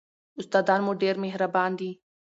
استادان مو ډېر مهربان دي.